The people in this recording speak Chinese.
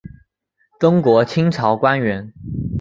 中国清朝官员。